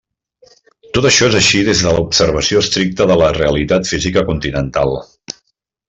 Tot això és així des de l'observació estricta de la realitat física continental.